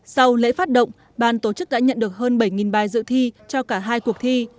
sau lễ phát động bàn tổ chức đã nhận được hơn bảy bài dự thi cho cả hai cuộc thi